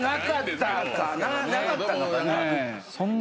なかったのかな。